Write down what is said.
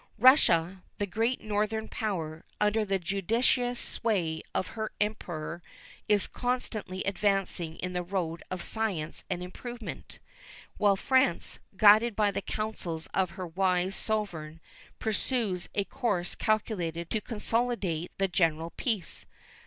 Russia, the great northern power, under the judicious sway of her Emperor, is constantly advancing in the road of science and improvement, while France, guided by the counsels of her wise Sovereign, pursues a course calculated to consolidate the general peace.